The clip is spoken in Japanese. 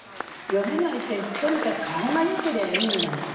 読めないってとにかく顔が良けりゃいいんだもん